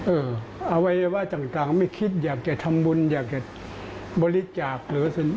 อวัยวะต่างไม่คิดอยากจะทำบุญอยากจะบริจาคหรือ